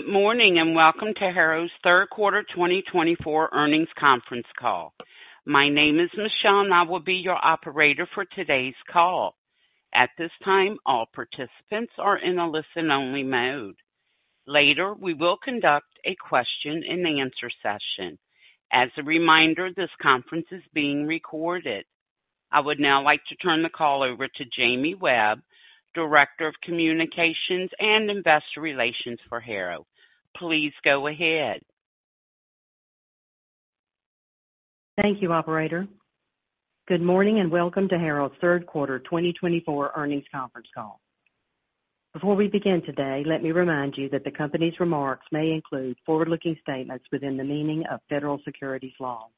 Good morning and welcome to Harrow's third quarter 2024 earnings conference call. My name is Michelle, and I will be your operator for today's call. At this time, all participants are in a listen-only mode. Later, we will conduct a question-and-answer session. As a reminder, this conference is being recorded. I would now like to turn the call over to Jamie Webb, Director of Communications and Investor Relations for Harrow. Please go ahead. Thank you, operator. Good morning and welcome to Harrow's third quarter 2024 earnings conference call. Before we begin today, let me remind you that the company's remarks may include forward-looking statements within the meaning of federal securities law.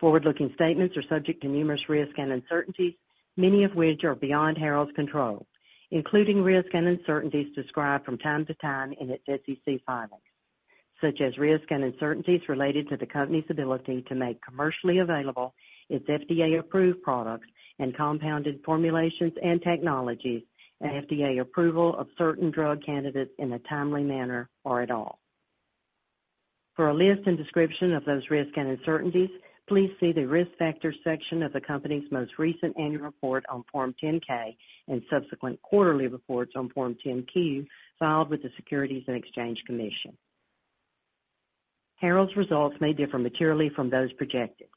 Forward-looking statements are subject to numerous risks and uncertainties, many of which are beyond Harrow's control, including risks and uncertainties described from time to time in its SEC filings, such as risks and uncertainties related to the company's ability to make commercially available its FDA-approved products and compounded formulations and technologies, and FDA approval of certain drug candidates in a timely manner or at all. For a list and description of those risks and uncertainties, please see the risk factors section of the company's most recent annual report on Form 10-K and subsequent quarterly reports on Form 10-Q filed with the Securities and Exchange Commission. Harrow's results may differ materially from those projected.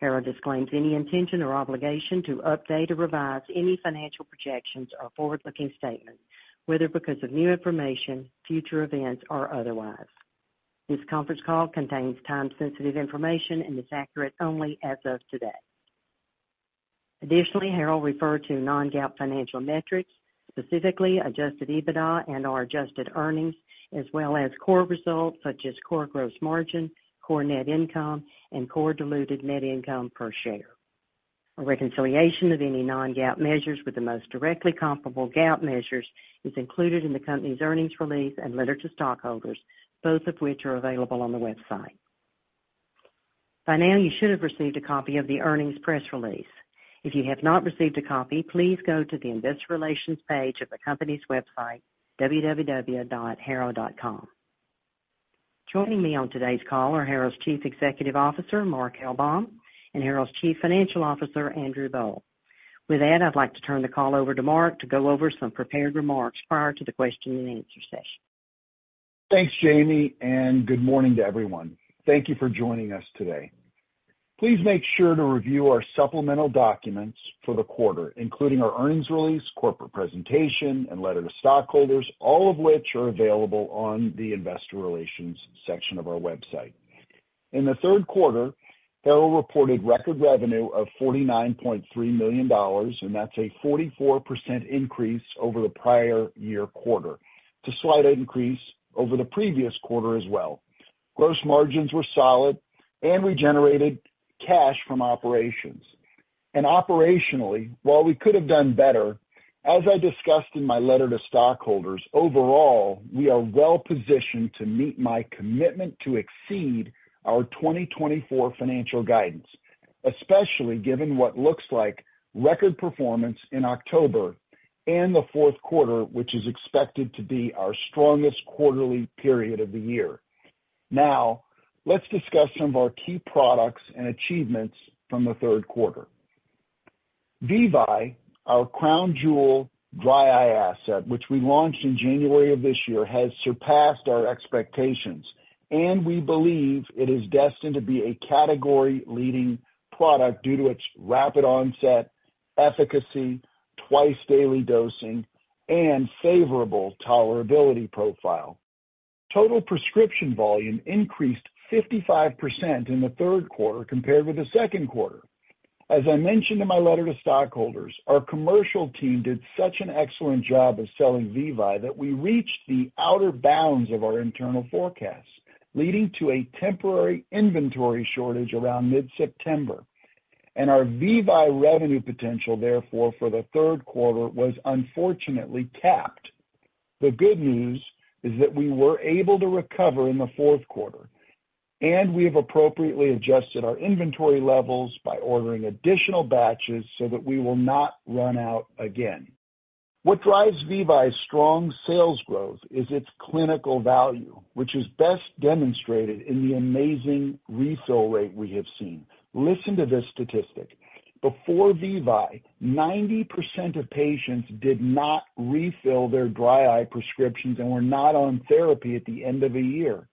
Harrow disclaims any intention or obligation to update or revise any financial projections or forward-looking statements, whether because of new information, future events, or otherwise. This conference call contains time-sensitive information and is accurate only as of today. Additionally, Harrow referred to non-GAAP financial metrics, specifically adjusted EBITDA and/or adjusted earnings, as well as core results such as core gross margin, core net income, and core diluted net income per share. A reconciliation of any non-GAAP measures with the most directly comparable GAAP measures is included in the company's earnings release and letter to stockholders, both of which are available on the website. By now, you should have received a copy of the earnings press release. If you have not received a copy, please go to the Investor Relations page of the company's website, www.harrow.com. Joining me on today's call are Harrow's Chief Executive Officer, Mark L. Baum, and Harrow's Chief Financial Officer, Andrew Boll. With that, I'd like to turn the call over to Mark to go over some prepared remarks prior to the question-and-answer session. Thanks, Jamie, and good morning to everyone. Thank you for joining us today. Please make sure to review our supplemental documents for the quarter, including our earnings release, corporate presentation, and letter to stockholders, all of which are available on the Investor Relations section of our website. In the third quarter, Harrow reported record revenue of $49.3 million, and that's a 44% increase over the prior year quarter, a slight increase over the previous quarter as well. Gross margins were solid and we generated cash from operations. And operationally, while we could have done better, as I discussed in my letter to stockholders, overall, we are well-positioned to meet my commitment to exceed our 2024 financial guidance, especially given what looks like record performance in October and the fourth quarter, which is expected to be our strongest quarterly period of the year. Now, let's discuss some of our key products and achievements from the third quarter. VEVYE, our crown jewel dry eye asset, which we launched in January of this year, has surpassed our expectations, and we believe it is destined to be a category-leading product due to its rapid onset, efficacy, twice-daily dosing, and favorable tolerability profile. Total prescription volume increased 55% in the third quarter compared with the second quarter. As I mentioned in my letter to stockholders, our commercial team did such an excellent job of selling VEVYE that we reached the outer bounds of our internal forecasts, leading to a temporary inventory shortage around mid-September. And our VEVYE revenue potential, therefore, for the third quarter was unfortunately capped. The good news is that we were able to recover in the fourth quarter, and we have appropriately adjusted our inventory levels by ordering additional batches so that we will not run out again. What drives VEVYE's strong sales growth is its clinical value, which is best demonstrated in the amazing refill rate we have seen. Listen to this statistic. Before VEVYE, 90% of patients did not refill their dry eye prescriptions and were not on therapy at the end of the year.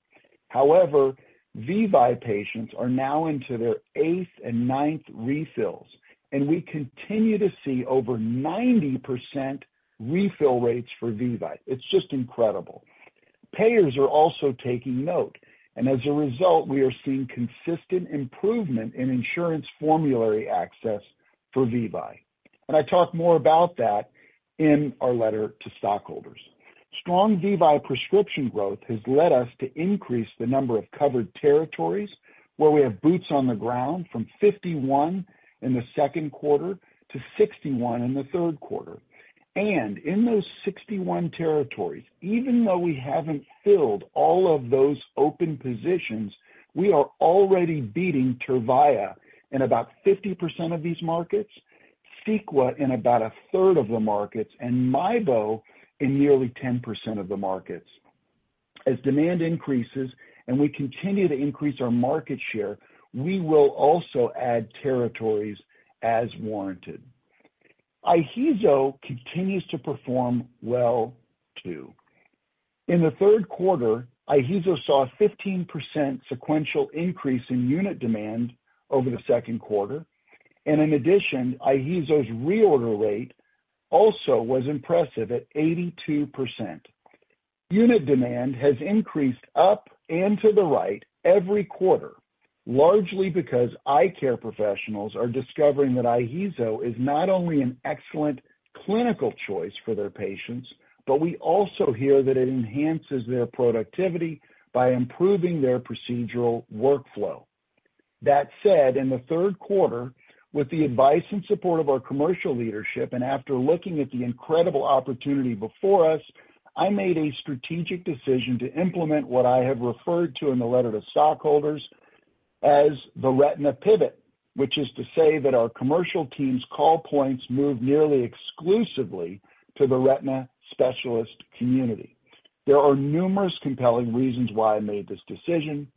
However, VEVYE patients are now into their eighth and ninth refills, and we continue to see over 90% refill rates for VEVYE. It's just incredible. Payers are also taking note, and as a result, we are seeing consistent improvement in insurance formulary access for VEVYE, and I talk more about that in our letter to stockholders. Strong VEVYE prescription growth has led us to increase the number of covered territories where we have boots on the ground from 51 in the second quarter to 61 in the third quarter. In those 61 territories, even though we haven't filled all of those open positions, we are already beating Tyrvaya in about 50% of these markets, CEQUA in about 1/3 of the markets, and MIEBO in nearly 10% of the markets. As demand increases and we continue to increase our market share, we will also add territories as warranted. IHEEZO continues to perform well too. In the third quarter, IHEEZO saw a 15% sequential increase in unit demand over the second quarter. In addition, IHEEZO's reorder rate also was impressive at 82%. Unit demand has increased up and to the right every quarter, largely because eye care professionals are discovering that IHEEZO is not only an excellent clinical choice for their patients, but we also hear that it enhances their productivity by improving their procedural workflow. That said, in the third quarter, with the advice and support of our commercial leadership and after looking at the incredible opportunity before us, I made a strategic decision to implement what I have referred to in the letter to stockholders as the Retina Pivot, which is to say that our commercial team's call points move nearly exclusively to the retina specialist community. There are numerous compelling reasons why I made this decision.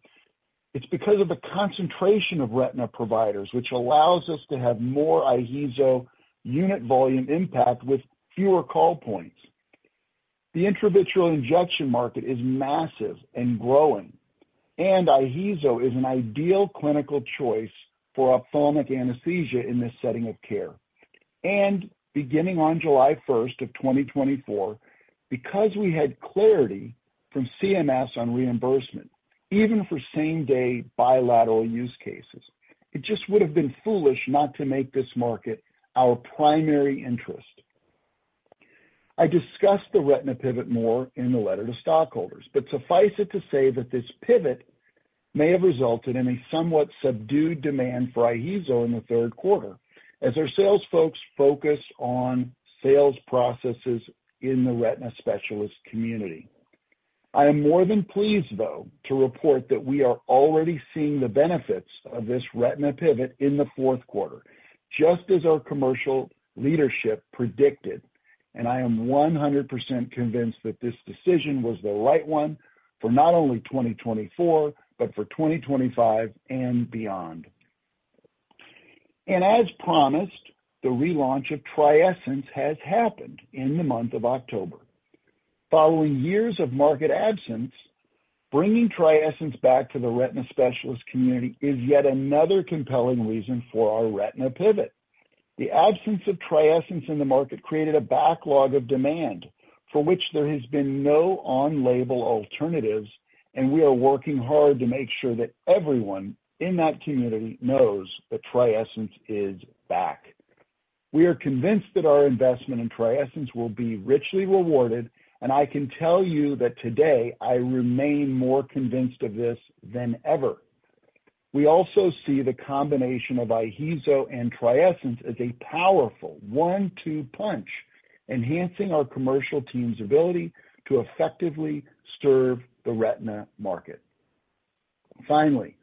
It's because of the concentration of retina providers, which allows us to have more IHEEZO unit volume impact with fewer call points. The intravitreal injection market is massive and growing, and IHEEZO is an ideal clinical choice for ophthalmic anesthesia in this setting of care. Beginning on July 1st of 2024, because we had clarity from CMS on reimbursement, even for same-day bilateral use cases, it just would have been foolish not to make this market our primary interest. I discussed the Retina Pivot more in the letter to stockholders, but suffice it to say that this pivot may have resulted in a somewhat subdued demand for IHEEZO in the third quarter as our sales folks focused on sales processes in the retina specialist community. I am more than pleased, though, to report that we are already seeing the benefits of this Retina Pivot in the fourth quarter, just as our commercial leadership predicted, and I am 100% convinced that this decision was the right one for not only 2024, but for 2025 and beyond. And as promised, the relaunch of TRIESENCE has happened in the month of October. Following years of market absence, bringing TRIESENCE back to the retina specialist community is yet another compelling reason for our Retina Pivot. The absence of TRIESENCE in the market created a backlog of demand for which there has been no on-label alternatives, and we are working hard to make sure that everyone in that community knows that TRIESENCE is back. We are convinced that our investment in TRIESENCE will be richly rewarded, and I can tell you that today I remain more convinced of this than ever. We also see the combination of IHEEZO and TRIESENCE as a powerful one-two punch, enhancing our commercial team's ability to effectively serve the retina market. Finally,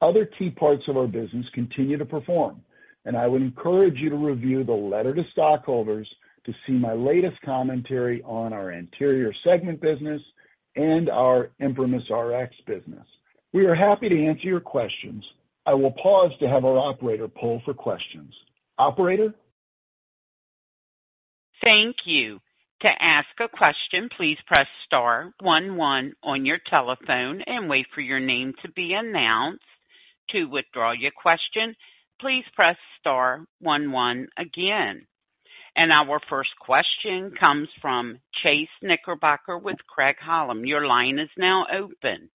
other key parts of our business continue to perform, and I would encourage you to review the letter to stockholders to see my latest commentary on our anterior segment business and our ImprimisRx business. We are happy to answer your questions. I will pause to have our operator pull for questions. Operator? Thank you. To ask a question, please press star one one on your telephone and wait for your name to be announced. To withdraw your question, please press star one one again. And our first question comes from Chase Knickerbocker with Craig-Hallum. Your line is now open.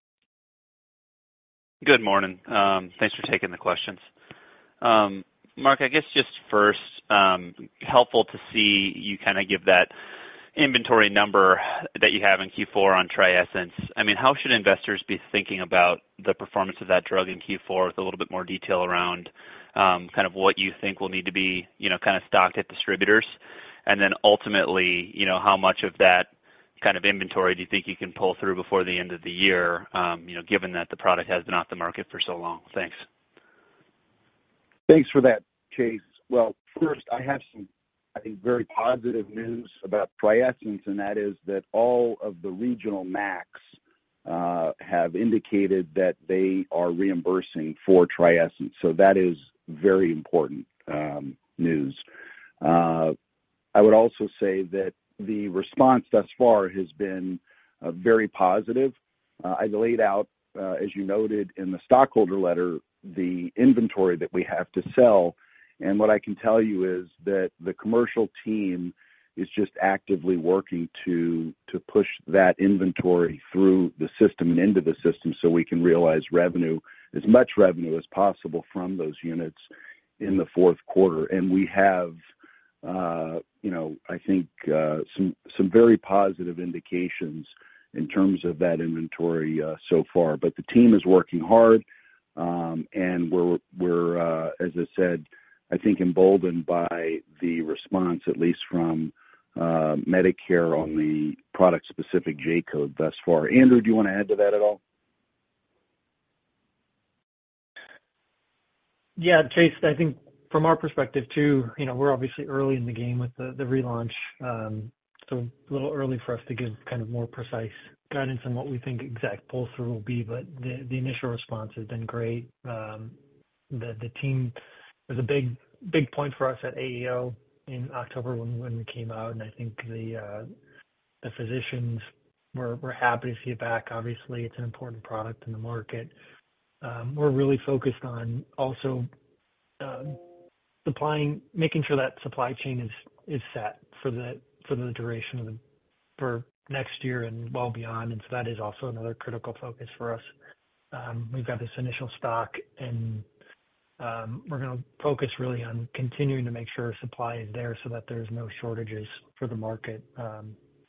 Good morning. Thanks for taking the questions. Mark, I guess just first, helpful to see you kind of give that inventory number that you have in Q4 on TRIESENCE. I mean, how should investors be thinking about the performance of that drug in Q4 with a little bit more detail around kind of what you think will need to be kind of stocked at distributors? And then ultimately, how much of that kind of inventory do you think you can pull through before the end of the year, given that the product has been off the market for so long? Thanks. Thanks for that, Chase. First, I have some, I think, very positive news about TRIESENCE, and that is that all of the regional MACs have indicated that they are reimbursing for TRIESENCE. So that is very important news. I would also say that the response thus far has been very positive. I laid out, as you noted in the stockholder letter, the inventory that we have to sell. And what I can tell you is that the commercial team is just actively working to push that inventory through the system and into the system so we can realize revenue, as much revenue as possible from those units in the fourth quarter. And we have, I think, some very positive indications in terms of that inventory so far. But the team is working hard, and we're, as I said, I think, emboldened by the response, at least from Medicare on the product-specific J-code thus far. Andrew, do you want to add to that at all? Yeah, Chase, I think from our perspective too, we're obviously early in the game with the relaunch. So a little early for us to give kind of more precise guidance on what we think exact pull-through will be, but the initial response has been great. The team was a big point for us at AAO in October when we came out, and I think the physicians were happy to see it back. Obviously, it's an important product in the market. We're really focused on also making sure that supply chain is set for the duration for next year and well beyond. And so that is also another critical focus for us. We've got this initial stock, and we're going to focus really on continuing to make sure supply is there so that there's no shortages for the market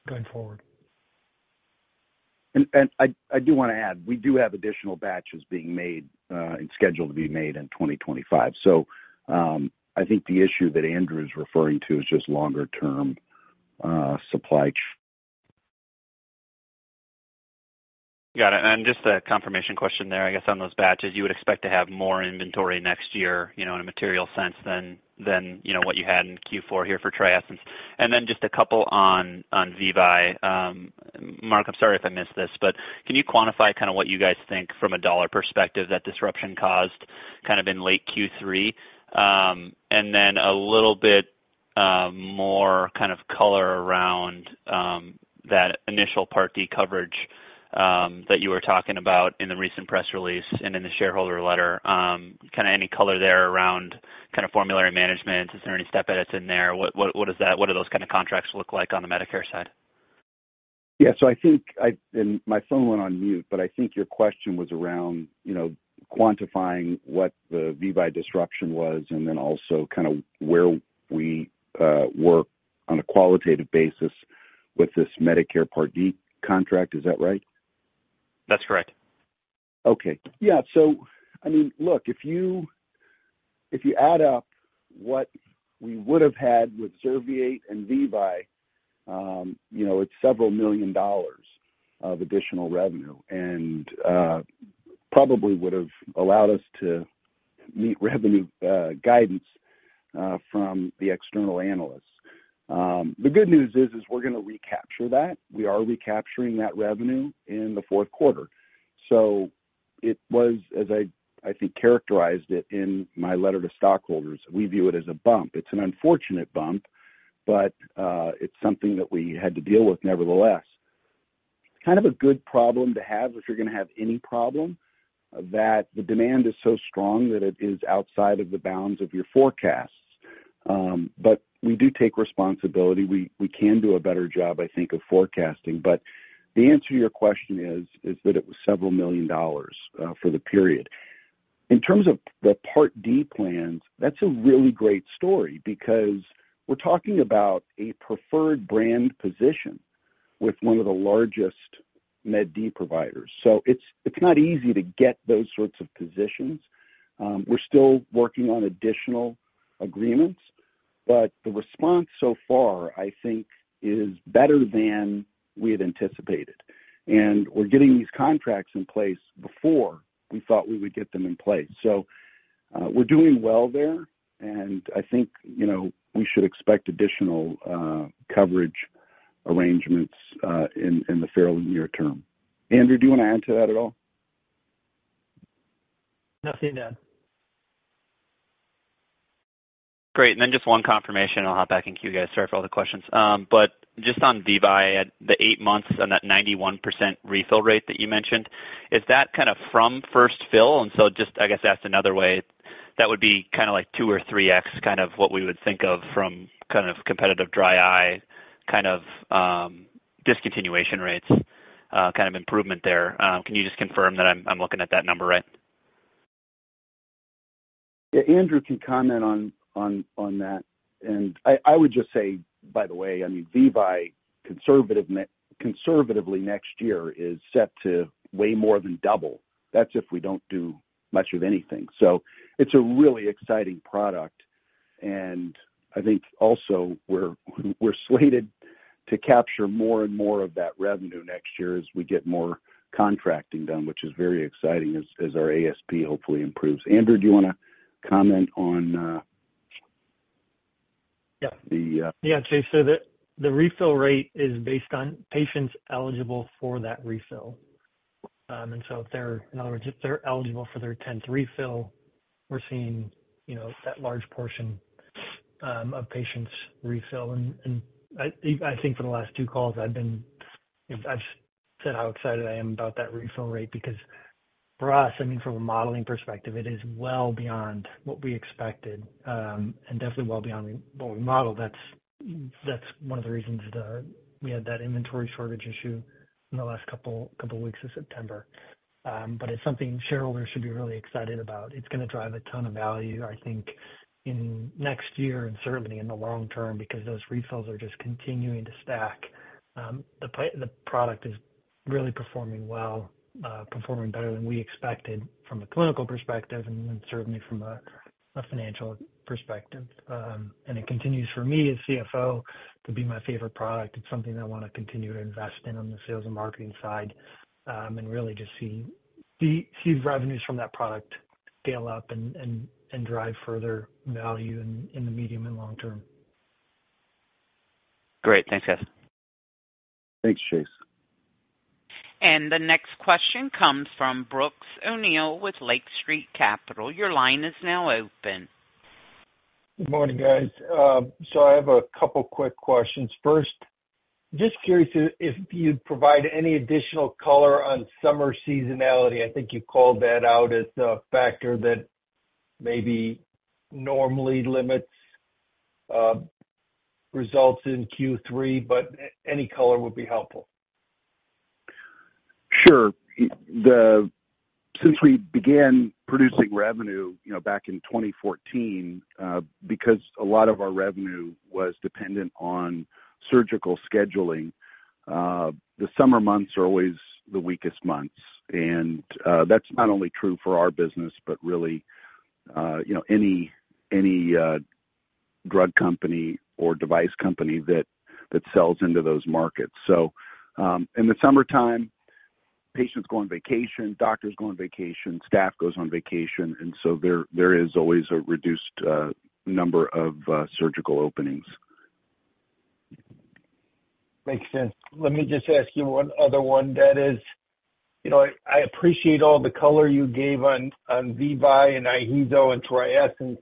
going forward. I do want to add, we do have additional batches being made and scheduled to be made in 2025. I think the issue that Andrew is referring to is just longer-term supply. Got it. And just a confirmation question there, I guess, on those batches, you would expect to have more inventory next year in a material sense than what you had in Q4 here for TRIESENCE. And then just a couple on VEVYE. Mark, I'm sorry if I missed this, but can you quantify kind of what you guys think from a dollar perspective that disruption caused kind of in late Q3? And then a little bit more kind of color around that initial Part D coverage that you were talking about in the recent press release and in the shareholder letter. Kind of any color there around kind of formulary management? Is there any step edits in there? What do those kind of contracts look like on the Medicare side? Yeah. So I think my phone went on mute, but I think your question was around quantifying what the VEVYE disruption was and then also kind of where we work on a qualitative basis with this Medicare Part D contract. Is that right? That's correct. Okay. Yeah. So I mean, look, if you add up what we would have had with Zerviate and VEVYE, it's several million dollars of additional revenue and probably would have allowed us to meet revenue guidance from the external analysts. The good news is we're going to recapture that. We are recapturing that revenue in the fourth quarter. So it was, as I think characterized it in my letter to stockholders, we view it as a bump. It's an unfortunate bump, but it's something that we had to deal with nevertheless. Kind of a good problem to have if you're going to have any problem that the demand is so strong that it is outside of the bounds of your forecasts. But we do take responsibility. We can do a better job, I think, of forecasting. But the answer to your question is that it was several million dollars for the period. In terms of the Part D plans, that's a really great story because we're talking about a preferred brand position with one of the largest Medicare Part D providers. So it's not easy to get those sorts of positions. We're still working on additional agreements, but the response so far, I think, is better than we had anticipated. And we're getting these contracts in place before we thought we would get them in place. So we're doing well there, and I think we should expect additional coverage arrangements in the fairly near term. Andrew, do you want to add to that at all? Nothing to add. Great. And then just one confirmation, and I'll hop back in queue you guys to start for all the questions. But just on VEVYE, the eight months and that 91% refill rate that you mentioned, is that kind of from first fill? And so just, I guess, asked another way, that would be kind of like two or three X kind of what we would think of from kind of competitive dry eye kind of discontinuation rates kind of improvement there. Can you just confirm that I'm looking at that number right? Yeah. Andrew can comment on that. And I would just say, by the way, I mean, VEVYE conservatively next year is set to way more than double. That's if we don't do much of anything. So it's a really exciting product. And I think also we're slated to capture more and more of that revenue next year as we get more contracting done, which is very exciting as our ASP hopefully improves. Andrew, do you want to comment on the? Yeah. Chase, so the refill rate is based on patients eligible for that refill. And so if they're eligible for their 10th refill, we're seeing that large portion of patients refill. And I think for the last two calls, I've said how excited I am about that refill rate because for us, I mean, from a modeling perspective, it is well beyond what we expected and definitely well beyond what we modeled. That's one of the reasons we had that inventory shortage issue in the last couple of weeks of September. But it's something shareholders should be really excited about. It's going to drive a ton of value, I think, in next year and certainly in the long term because those refills are just continuing to stack. The product is really performing well, performing better than we expected from a clinical perspective and certainly from a financial perspective. It continues for me as CFO to be my favorite product. It's something that I want to continue to invest in on the sales and marketing side and really just see revenues from that product scale up and drive further value in the medium and long term. Great. Thanks, guys. Thanks, Chase. And the next question comes from Brooks O'Neil with Lake Street Capital. Your line is now open. Good morning, guys. So I have a couple of quick questions. First, just curious if you'd provide any additional color on summer seasonality. I think you called that out as a factor that maybe normally limits results in Q3, but any color would be helpful. Sure. Since we began producing revenue back in 2014, because a lot of our revenue was dependent on surgical scheduling, the summer months are always the weakest months. And that's not only true for our business, but really any drug company or device company that sells into those markets. So in the summertime, patients go on vacation, doctors go on vacation, staff goes on vacation. And so there is always a reduced number of surgical openings. Makes sense. Let me just ask you one other one, that is, I appreciate all the color you gave on VEVYE and IHEEZO and TRIESENCE.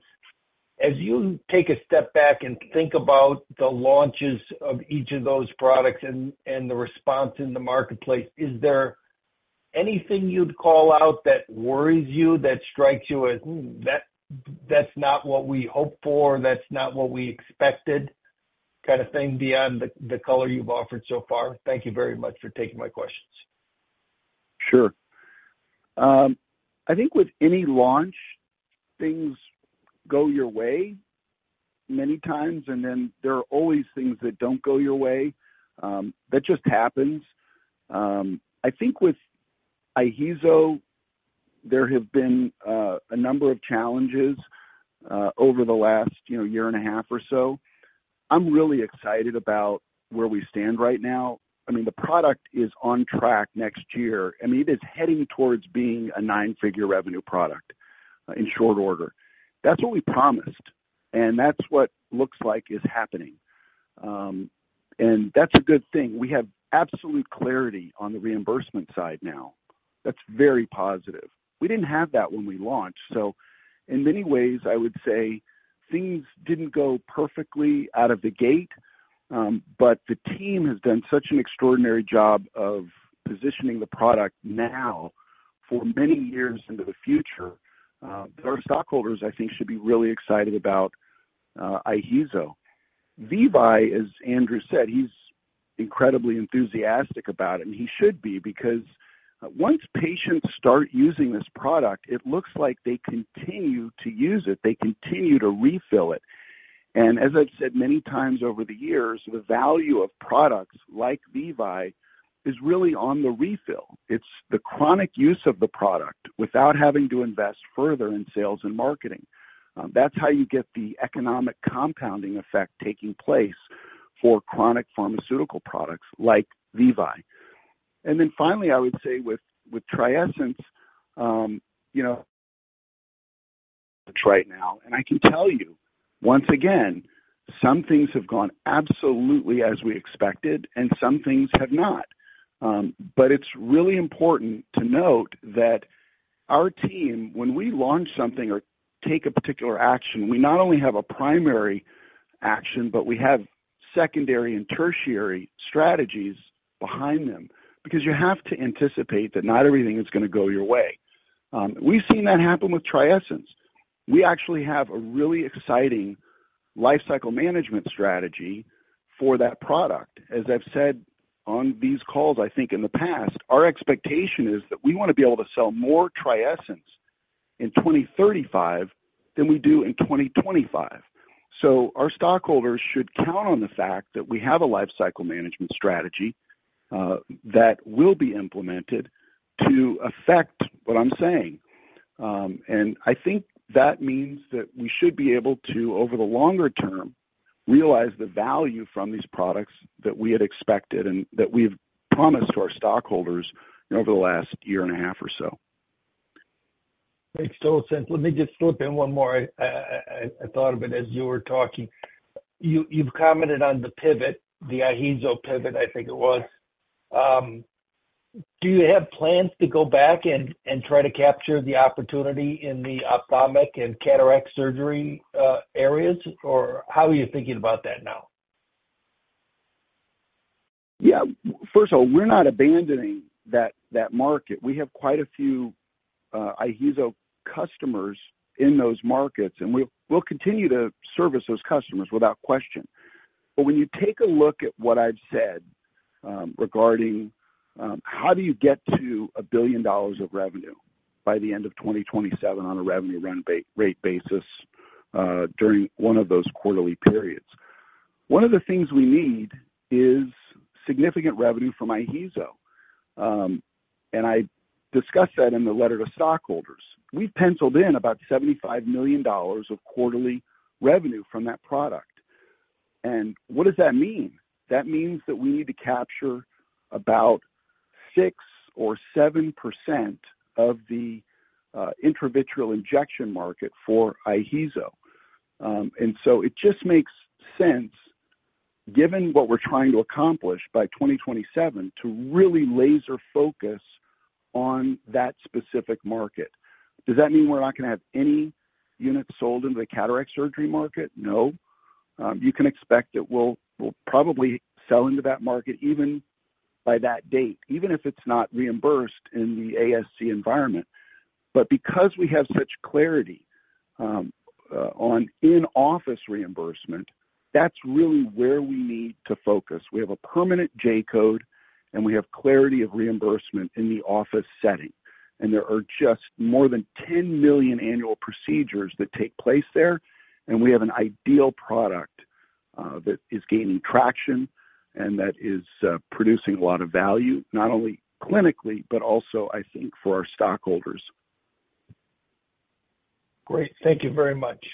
As you take a step back and think about the launches of each of those products and the response in the marketplace, is there anything you'd call out that worries you, that strikes you as, "That's not what we hoped for, that's not what we expected," kind of thing beyond the color you've offered so far? Thank you very much for taking my questions. Sure. I think with any launch, things go your way many times, and then there are always things that don't go your way. That just happens. I think with IHEEZO, there have been a number of challenges over the last year and a half or so. I'm really excited about where we stand right now. I mean, the product is on track next year. I mean, it is heading towards being a nine-figure revenue product in short order. That's what we promised, and that's what looks like is happening. And that's a good thing. We have absolute clarity on the reimbursement side now. That's very positive. We didn't have that when we launched. So in many ways, I would say things didn't go perfectly out of the gate, but the team has done such an extraordinary job of positioning the product now for many years into the future. Our stockholders, I think, should be really excited about IHEEZO. VEVYE, as Andrew said, he's incredibly enthusiastic about it, and he should be because once patients start using this product, it looks like they continue to use it. They continue to refill it. And as I've said many times over the years, the value of products like VEVYE is really on the refill. It's the chronic use of the product without having to invest further in sales and marketing. That's how you get the economic compounding effect taking place for chronic pharmaceutical products like VEVYE. And then finally, I would say with TRIESENCE right now, and I can tell you once again, some things have gone absolutely as we expected, and some things have not. But it's really important to note that our team, when we launch something or take a particular action, we not only have a primary action, but we have secondary and tertiary strategies behind them because you have to anticipate that not everything is going to go your way. We've seen that happen with TRIESENCE. We actually have a really exciting life cycle management strategy for that product. As I've said on these calls, I think in the past, our expectation is that we want to be able to sell more TRIESENCE in 2035 than we do in 2025. So our stockholders should count on the fact that we have a life cycle management strategy that will be implemented to affect what I'm saying. I think that means that we should be able to, over the longer term, realize the value from these products that we had expected and that we've promised to our stockholders over the last year and a half or so. Makes total sense. Let me just slip in one more thought of it as you were talking. You've commented on the pivot, the IHEEZO pivot, I think it was. Do you have plans to go back and try to capture the opportunity in the ophthalmic and cataract surgery areas, or how are you thinking about that now? Yeah. First of all, we're not abandoning that market. We have quite a few IHEEZO customers in those markets, and we'll continue to service those customers without question. But when you take a look at what I've said regarding how do you get to $1 billion of revenue by the end of 2027 on a revenue rate basis during one of those quarterly periods, one of the things we need is significant revenue from IHEEZO. And I discussed that in the letter to stockholders. We've penciled in about $75 million of quarterly revenue from that product. And what does that mean? That means that we need to capture about 6% or 7% of the intravitreal injection market for IHEEZO. And so it just makes sense, given what we're trying to accomplish by 2027, to really laser focus on that specific market. Does that mean we're not going to have any units sold into the cataract surgery market? No. You can expect that we'll probably sell into that market even by that date, even if it's not reimbursed in the ASC environment. But because we have such clarity on in-office reimbursement, that's really where we need to focus. We have a permanent J-code, and we have clarity of reimbursement in the office setting. And there are just more than 10 million annual procedures that take place there, and we have an ideal product that is gaining traction and that is producing a lot of value, not only clinically, but also, I think, for our stockholders. Great. Thank you very much.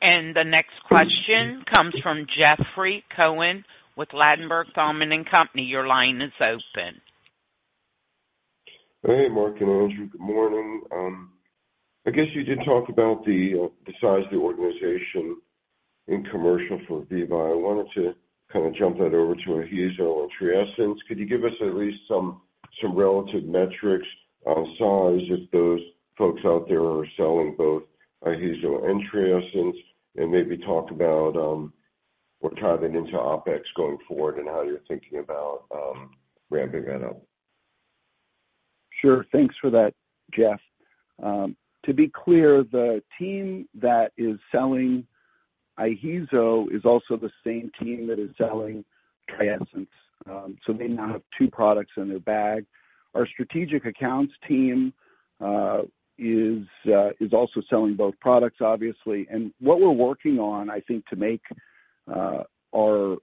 The next question comes from Jeffrey Cohen with Ladenburg Thalmann. Your line is open. Hey, Mark and Andrew. Good morning. I guess you did talk about the size of the organization in commercial for VEVYE. I wanted to kind of jump that over to IHEEZO and TRIESENCE. Could you give us at least some relative metrics on size if those folks out there are selling both IHEEZO and TRIESENCE, and maybe talk about what kind of an intra-OpEx going forward and how you're thinking about ramping that up? Sure. Thanks for that, Jeff. To be clear, the team that is selling IHEEZO is also the same team that is selling TRIESENCE. So they now have two products in their bag. Our strategic accounts team is also selling both products, obviously. And what we're working on, I think, to make our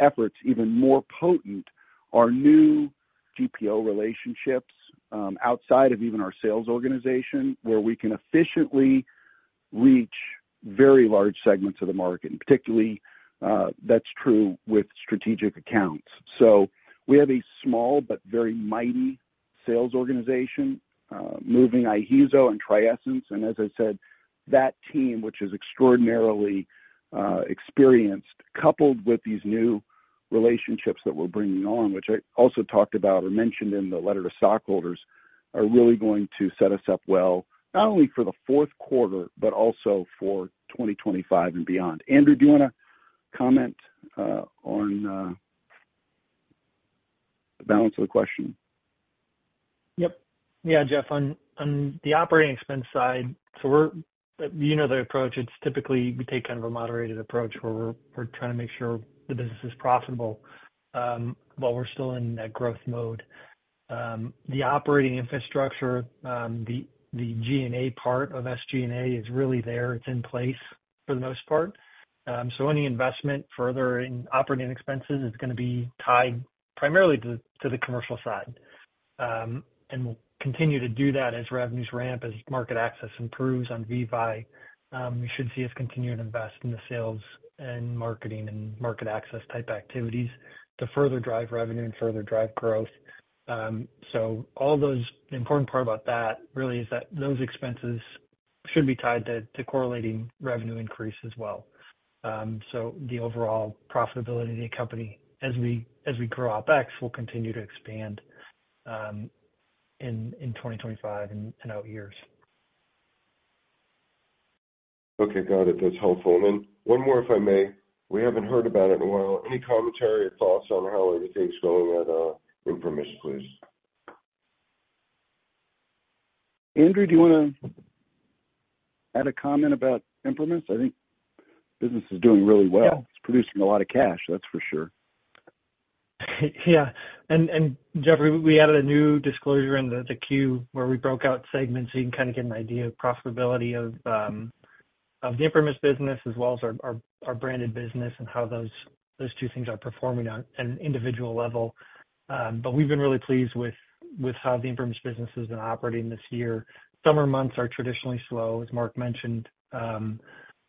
efforts even more potent are new GPO relationships outside of even our sales organization where we can efficiently reach very large segments of the market, and particularly that's true with strategic accounts. So we have a small but very mighty sales organization moving IHEEZO and TRIESENCE. And as I said, that team, which is extraordinarily experienced, coupled with these new relationships that we're bringing on, which I also talked about or mentioned in the letter to stockholders, are really going to set us up well, not only for the fourth quarter, but also for 2025 and beyond. Andrew, do you want to comment on the balance of the question? Yep. Yeah, Jeff. On the operating expense side, so you know the approach. It's typically we take kind of a moderated approach where we're trying to make sure the business is profitable while we're still in that growth mode. The operating infrastructure, the G&A part of SG&A is really there. It's in place for the most part. So any investment further in operating expenses is going to be tied primarily to the commercial side. And we'll continue to do that as revenues ramp, as market access improves on VEVYE. We should see us continue to invest in the sales and marketing and market access type activities to further drive revenue and further drive growth. So all those important part about that really is that those expenses should be tied to correlating revenue increase as well. So the overall profitability of the company, as we grow OpEx, will continue to expand in 2025 and out years. Okay. Got it. That's helpful. And then one more, if I may. We haven't heard about it in a while. Any commentary or thoughts on how everything's going at ImprimisRx, please? Andrew, do you want to add a comment about ImprimisRx? I think business is doing really well. It's producing a lot of cash, that's for sure. Yeah. And Jeffrey, we added a new disclosure in the Q where we broke out segments so you can kind of get an idea of profitability of the Imprimis business as well as our branded business and how those two things are performing on an individual level. But we've been really pleased with how the Imprimis business has been operating this year. Summer months are traditionally slow, as Mark mentioned.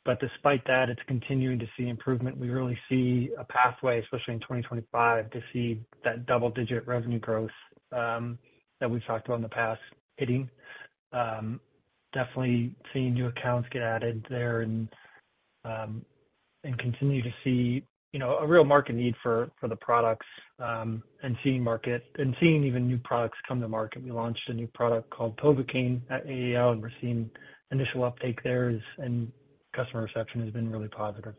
But despite that, it's continuing to see improvement. We really see a pathway, especially in 2025, to see that double-digit revenue growth that we've talked about in the past hitting. Definitely seeing new accounts get added there and continue to see a real market need for the products and seeing even new products come to market. We launched a new product called Povicaine at AAO, and we're seeing initial uptake there, and customer reception has been really positive.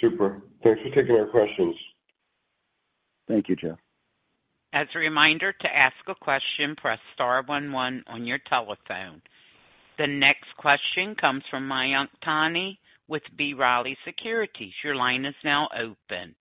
Super. Thanks for taking our questions. Thank you, Jeff. As a reminder to ask a question, press star one one on your telephone. The next question comes from Mayank Mamtani with B. Riley Securities. Your line is now open.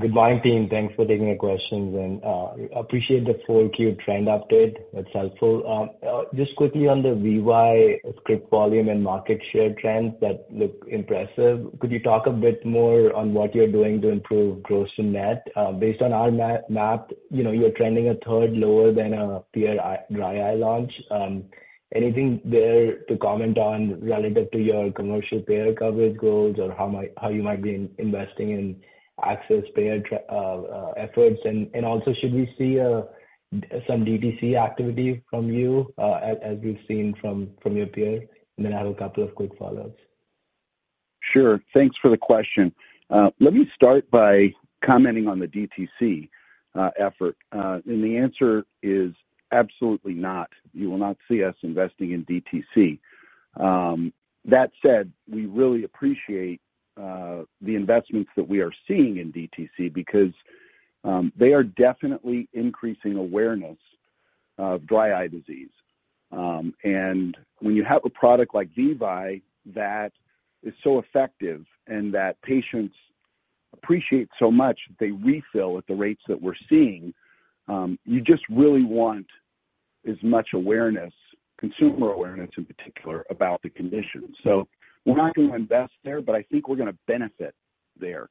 Good morning, team. Thanks for taking the questions. And I appreciate the full Q trend update. That's helpful. Just quickly on the VEVYE script volume and market share trends that look impressive. Could you talk a bit more on what you're doing to improve gross-to-net? Based on our map, you're trending a third lower than a dry eye launch. Anything there to comment on relative to your commercial payer coverage goals or how you might be investing in access payer efforts? And also, should we see some DTC activity from you, as we've seen from your peer? And then I have a couple of quick follow-ups. Sure. Thanks for the question. Let me start by commenting on the DTC effort. And the answer is absolutely not. You will not see us investing in DTC. That said, we really appreciate the investments that we are seeing in DTC because they are definitely increasing awareness of dry eye disease. And when you have a product like VEVYE that is so effective and that patients appreciate so much that they refill at the rates that we're seeing, you just really want as much awareness, consumer awareness in particular, about the condition. So we're not going to invest there, but I think we're going to benefit there,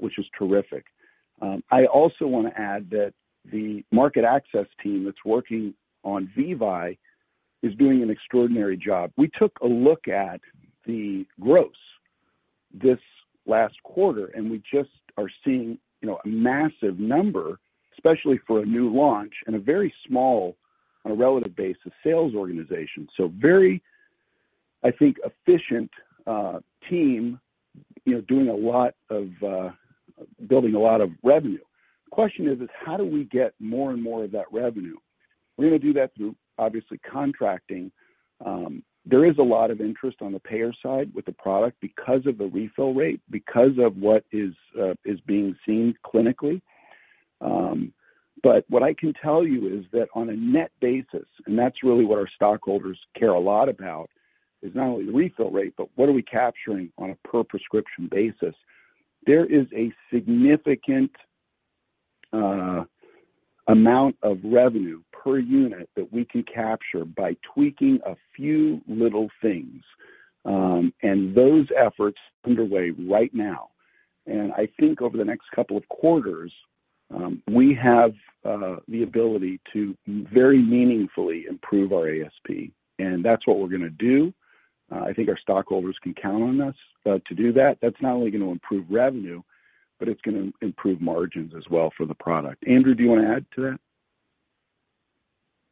which is terrific. I also want to add that the market access team that's working on VEVYE is doing an extraordinary job. We took a look at the gross this last quarter, and we just are seeing a massive number, especially for a new launch and a very small, on a relative basis, sales organization. So very, I think, efficient team doing a lot of building a lot of revenue. The question is, how do we get more and more of that revenue? We're going to do that through, obviously, contracting. There is a lot of interest on the payer side with the product because of the refill rate, because of what is being seen clinically. But what I can tell you is that on a net basis, and that's really what our stockholders care a lot about, is not only the refill rate, but what are we capturing on a per-prescription basis? There is a significant amount of revenue per unit that we can capture by tweaking a few little things. Those efforts are underway right now. I think over the next couple of quarters, we have the ability to very meaningfully improve our ASP. That's what we're going to do. I think our stockholders can count on us to do that. That's not only going to improve revenue, but it's going to improve margins as well for the product. Andrew, do you want to add to that?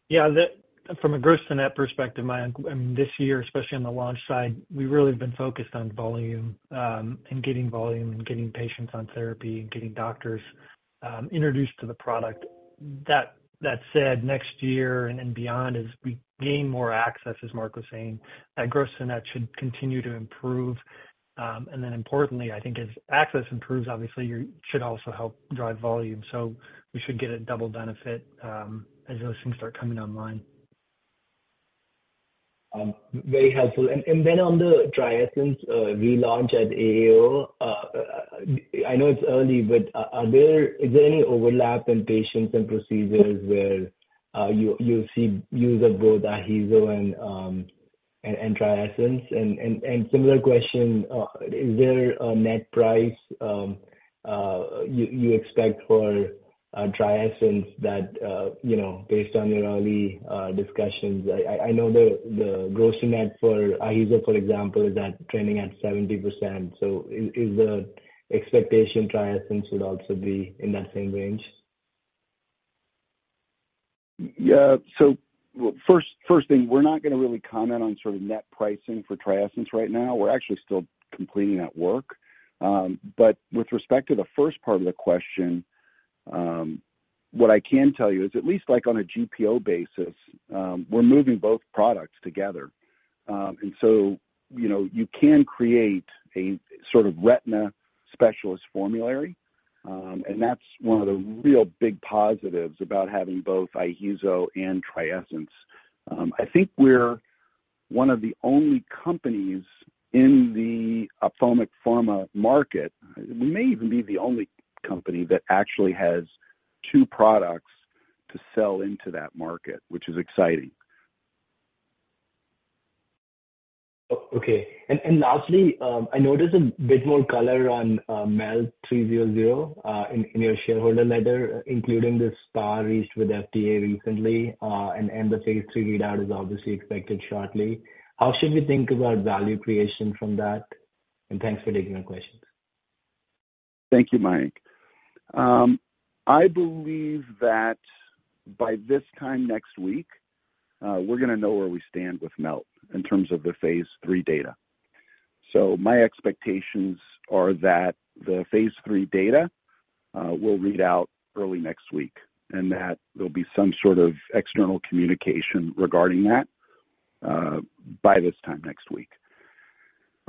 Yeah. From a gross-to-net perspective, this year, especially on the launch side, we really have been focused on volume and getting volume and getting patients on therapy and getting doctors introduced to the product. That said, next year and beyond, as we gain more access, as Mark was saying, that gross-to-net should continue to improve. And then importantly, I think as access improves, obviously, it should also help drive volume. So we should get a double benefit as those things start coming online. Very helpful. And then on the TRIESENCE relaunch at AAO, I know it's early, but is there any overlap in patients and procedures where you'll see use of both IHEEZO and TRIESENCE? And similar question, is there a net price you expect for TRIESENCE that, based on your early discussions, I know the gross-to-net for IHEEZO, for example, is trending at 70%. So is the expectation TRIESENCE would also be in that same range? Yeah. So first thing, we're not going to really comment on sort of net pricing for TRIESENCE right now. We're actually still completing that work. But with respect to the first part of the question, what I can tell you is at least on a GPO basis, we're moving both products together. And so you can create a sort of retina specialist formulary. And that's one of the real big positives about having both IHEEZO and TRIESENCE. I think we're one of the only companies in the ophthalmic pharma market. We may even be the only company that actually has two products to sell into that market, which is exciting. Okay, and lastly, I noticed a bit more color on MELT-300 in your shareholder letter, including the SPA reached with FDA recently, and the phase III readout is obviously expected shortly. How should we think about value creation from that, and thanks for taking our questions. Thank you, Mayank. I believe that by this time next week, we're going to know where we stand with MELT in terms of the phase III data, so my expectations are that the phase III data will read out early next week and that there'll be some sort of external communication regarding that by this time next week.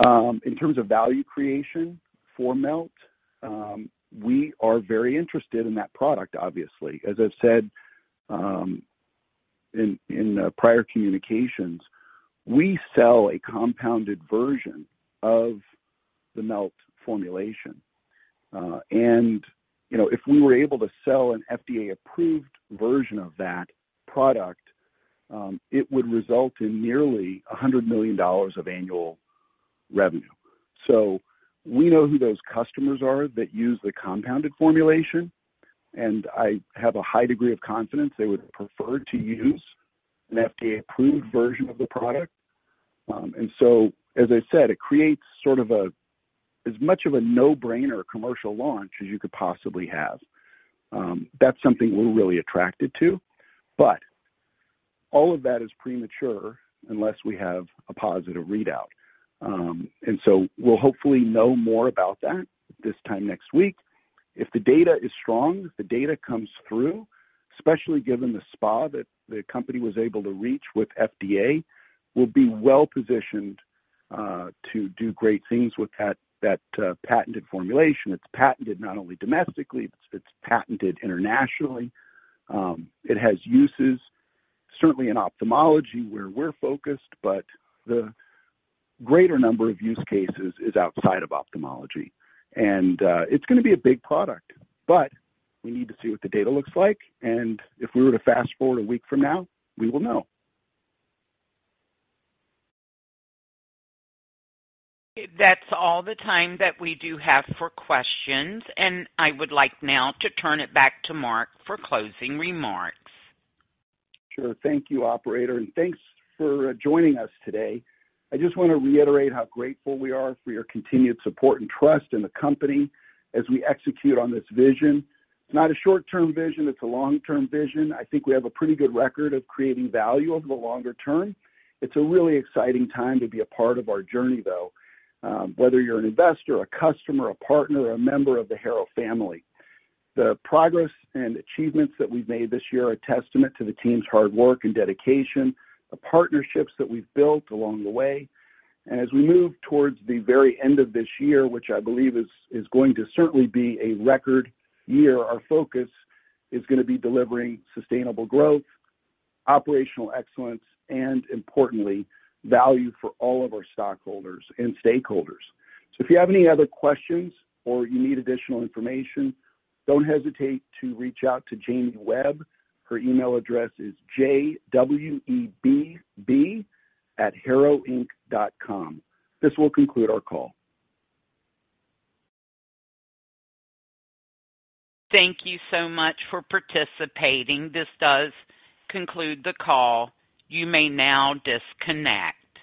In terms of value creation for MELT, we are very interested in that product, obviously. As I've said in prior communications, we sell a compounded version of the MELT formulation, and if we were able to sell an FDA-approved version of that product, it would result in nearly $100 million of annual revenue, so we know who those customers are that use the compounded formulation. And I have a high degree of confidence they would prefer to use an FDA-approved version of the product. And so, as I said, it creates sort of as much of a no-brainer commercial launch as you could possibly have. That's something we're really attracted to. But all of that is premature unless we have a positive readout. And so we'll hopefully know more about that this time next week. If the data is strong, if the data comes through, especially given the SPA that the company was able to reach with FDA, we'll be well-positioned to do great things with that patented formulation. It's patented not only domestically. It's patented internationally. It has uses, certainly in ophthalmology where we're focused, but the greater number of use cases is outside of ophthalmology. And it's going to be a big product. But we need to see what the data looks like. And if we were to fast forward a week from now, we will know. That's all the time that we do have for questions, and I would like now to turn it back to Mark for closing remarks. Sure. Thank you, operator. And thanks for joining us today. I just want to reiterate how grateful we are for your continued support and trust in the company as we execute on this vision. It's not a short-term vision. It's a long-term vision. I think we have a pretty good record of creating value over the longer term. It's a really exciting time to be a part of our journey, though, whether you're an investor, a customer, a partner, or a member of the Harrow family. The progress and achievements that we've made this year are a testament to the team's hard work and dedication, the partnerships that we've built along the way. As we move towards the very end of this year, which I believe is going to certainly be a record year, our focus is going to be delivering sustainable growth, operational excellence, and importantly, value for all of our stockholders and stakeholders. If you have any other questions or you need additional information, don't hesitate to reach out to Jamie Webb. Her email address is jwebb@harrowinc.com. This will conclude our call. Thank you so much for participating. This does conclude the call. You may now disconnect.